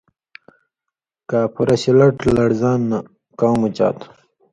کاپھرہ شِلَٹوۡ لڑزان (عذاب) نہ کؤں مُچا تُھو؟